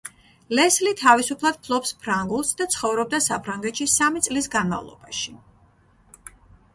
ლესლი თავისუფლად ფლობს ფრანგულს და ცხოვრობდა საფრანგეთში სამი წლის განმავლობაში.